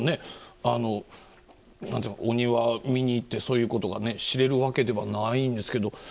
あのお庭を見に行ってそういうことがね知れるわけではないんですけど。